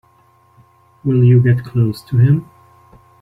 Will you get close to him?